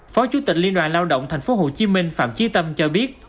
phó chủ tịch liên đoàn lao động tp hcm phạm trí tâm cho biết